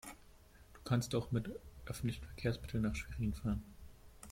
Du kannst doch mit öffentlichen Verkehrsmitteln nach Schwerin fahren